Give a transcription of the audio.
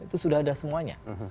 itu sudah ada semuanya